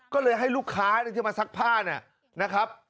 ก็เลยให้ลูกค้าที่มาซักผ้าเนี่ยนะครับ